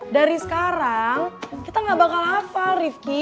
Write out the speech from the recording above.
dari sekarang kita gak bakal apa rifki